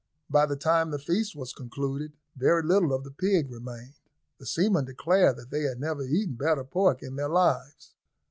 By the time the feast was concluded, very little of the pig remained; the seamen declared that they had never eaten better pork in their lives.